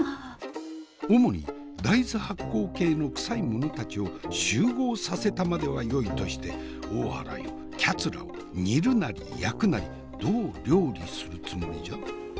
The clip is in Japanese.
主に大豆発酵系のクサい者たちを集合させたまではよいとして大原よきゃつらを煮るなり焼くなりどう料理するつもりじゃ？